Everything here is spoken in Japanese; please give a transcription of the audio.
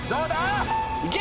いけ！